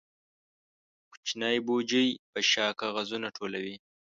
کوچنی بوجۍ په شا کاغذونه ټولوي.